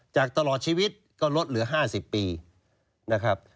ตลอดชีวิตก็ลดเหลือ๕๐ปีนะครับ